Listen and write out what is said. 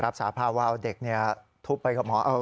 สาภาพว่าเอาเด็กทุบไปกับหมอ